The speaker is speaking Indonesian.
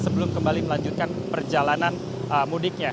sebelum kembali melanjutkan perjalanan mudiknya